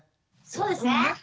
そうですね。